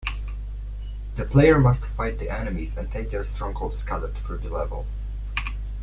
The player must fight the enemies and take their strongholds scattered through the level.